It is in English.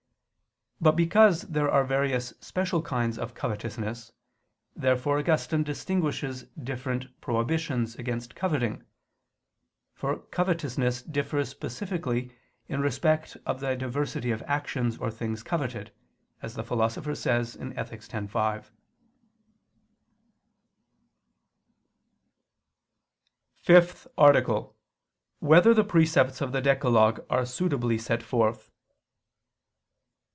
But because there are various special kinds of covetousness, therefore Augustine distinguishes different prohibitions against coveting: for covetousness differs specifically in respect of the diversity of actions or things coveted, as the Philosopher says (Ethic. x, 5). ________________________ FIFTH ARTICLE [I II, Q. 100, Art. 5] Whether the Precepts of the Decalogue Are Suitably Set Forth?